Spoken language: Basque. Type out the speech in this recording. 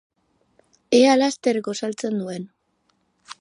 Ea laster gosaltzen duen.